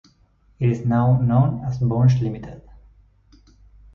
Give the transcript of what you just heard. It is now known as Bunge Limited.